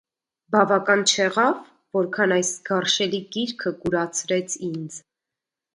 - Բավական չեղա՞վ, որքան այս գարշելի կիրքը կուրացրեց ինձ…